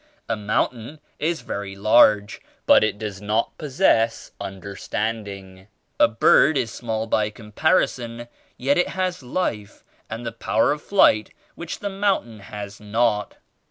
A mountain is very large but it does not possess understanding. A bird is small by comparison yet it has life and the power of flight which the mountain has not.